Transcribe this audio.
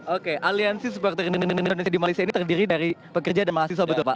oke aliansi supporter indonesia di malaysia ini terdiri dari pekerja dan mahasiswa betul pak